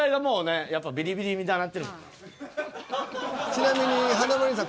ちなみに華丸兄さん